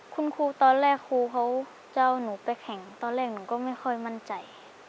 คุณครูตอนแรกครูเขาจะเอาหนูไปแข่งตอนแรกหนูก็ไม่ค่อยมั่นใจ